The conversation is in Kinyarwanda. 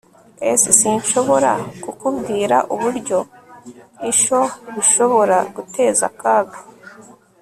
s sinshobora kukubwira uburyo ibyo bishobora guteza akaga